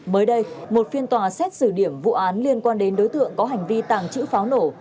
mới đây một phiên tòa xét xử điểm vụ án liên quan đến đối tượng có hành vi tàng trữ pháo nổ